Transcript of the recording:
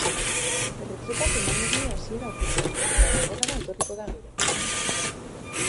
Erretretak emango die hasiera ofiziala, eta danborrada etorriko da gero.